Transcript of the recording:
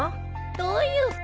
どういう服？